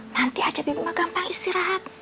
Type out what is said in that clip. nanti aja bebi mah gampang istirahat